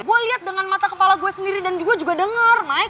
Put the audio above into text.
gue liat dengan mata kepala gue sendiri dan gue juga denger maik